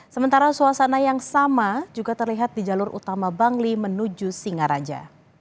sementara suasana yang sama juga terlihat di jalur utama bangli menuju singaraja